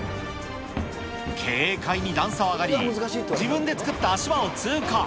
軽快に段差を上がり、自分で作った足場を通過。